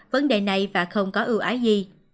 vấn đề này và không có ưu ái gì